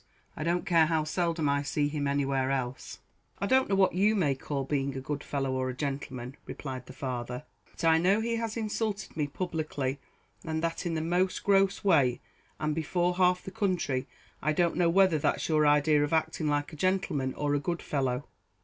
I don't care how seldom I see him anywhere else." "I don't know what you may call being a good fellow or a gentleman," replied the father; "but I know he has insulted me publicly, and that in the most gross way, and before half the country. I don't know whether that's your idea of acting like a gentleman or a good fellow."